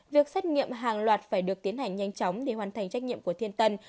việc xét nghiệm hàng loạt phải được tiến hành nhanh chóng để hoàn thành trách nhiệm của thiên tân